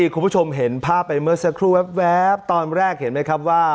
คุณผู้ชมเห็นภาพไปเมื่อสักครู่แว๊บตอนแรกเห็นไหมครับว่า